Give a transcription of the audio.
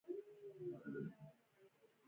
ایا د لمانځه ځای و؟